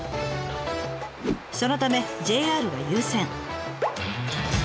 そのためＪＲが優先。